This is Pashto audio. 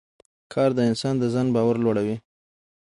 کار د انسان د ځان باور لوړوي